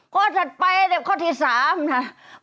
ข้อสัดไปเดี๋ยวข้อที่สามนะ